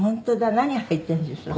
何入ってるんでしょう？